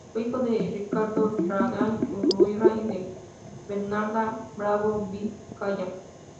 Fue hijo de Ricardo Larraín Urriola y de Bernarda Bravo Vizcaya.